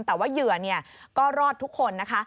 แต่ว่าเหยื่อก็รอดทุกคนนะคะ